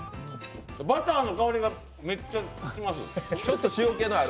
バターの香りがめっちゃします。